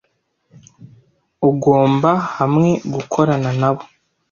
ugomba hamwe gukorana nabo